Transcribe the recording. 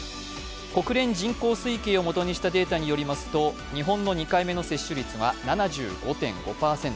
国連人口推計を基にしたデータによりますと日本の２回目の接種率は７５．５％